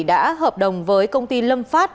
đã hợp đồng với công ty lâm pháp